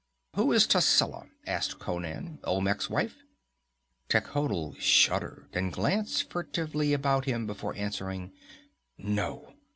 "Who is Tascela?" asked Conan. "Olmec's wife?" Techotl shuddered and glanced furtively about him before answering. "No.